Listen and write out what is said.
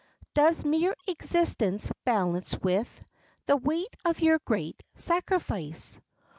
Does mere existence balance with The weight of your great sacrifice?